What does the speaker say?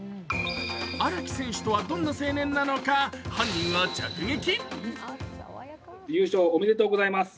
荒木選手とは、どんな青年なのか本人を直撃。